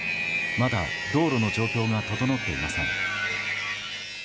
まだ道路の状況が整っていません。